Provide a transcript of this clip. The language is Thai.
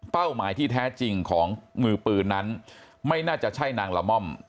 หมายที่แท้จริงของมือปืนนั้นไม่น่าจะใช่นางละม่อม